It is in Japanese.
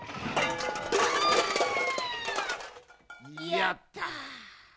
やった。